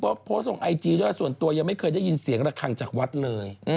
ก็โพสต์ลงไอจีด้วยส่วนตัวยังไม่เคยได้ยินเสียงระคังจากวัดเลย